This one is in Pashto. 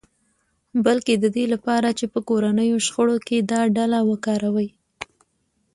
بلکې د دې لپاره چې په کورنیو شخړو کې دا ډله وکاروي